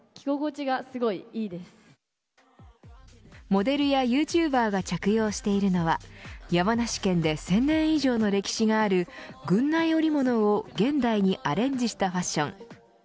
モデルやユーチューバーが着用しているのは山梨県で１０００年以上の歴史がある郡内織物を現代にアレンジしたファッション。